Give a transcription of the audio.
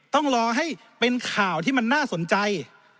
ต้องรอให้เป็นข่าวที่มันน่าสนใจ